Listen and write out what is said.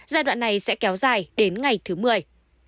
giai đoạn này sẽ kéo dài đến ngày thứ mười